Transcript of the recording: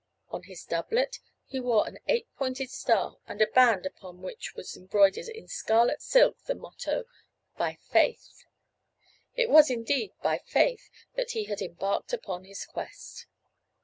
On his doublet he wore an eight pointed star and a band upon which was embroidered in scarlet silk the motto, "By Faith." It was indeed "by faith" that he had embarked upon his quest.